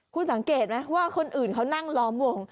คุณสังเกตไหมว่าคนอื่นเขานั่งล้อมวง